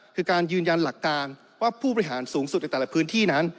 คือการยืนยันหลักการว่าผู้บริหารสูงสุดในแต่ละพื้นที่นั้น